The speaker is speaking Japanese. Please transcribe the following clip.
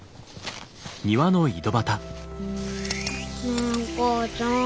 ねえお母ちゃん。